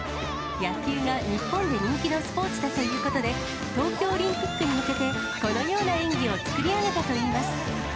野球が日本で人気のスポーツだということで、東京オリンピックに向けて、このような演技を作り上げたといいます。